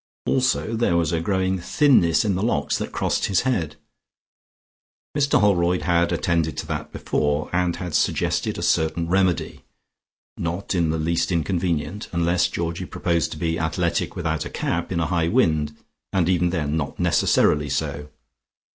Also there was a growing thinness in the locks that crossed his head; Mr Holroyd had attended to that before, and had suggested a certain remedy, not in the least inconvenient, unless Georgie proposed to be athletic without a cap, in a high wind, and even then not necessarily so.